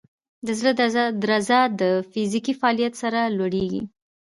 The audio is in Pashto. د زړه درزا د فزیکي فعالیت سره لوړېږي.